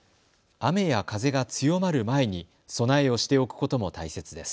雨や風が強まる前に備えをしておくことも大切です。